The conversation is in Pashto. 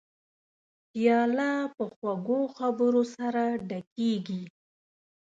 پیاله په خوږو خبرو سره ډکېږي.